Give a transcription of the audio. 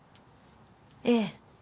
ええ。